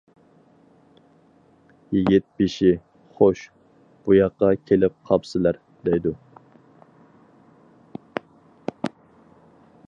يىگىت بېشى: — خوش، بۇياققا كېلىپ قاپسىلەر؟ — دەيدۇ.